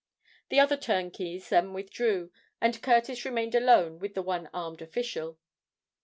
The other turnkeys then withdrew; and Curtis remained alone with the one armed official.